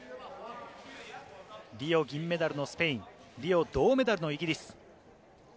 リオ銀メダルのスペイン、リオ銅メダルのイギリス。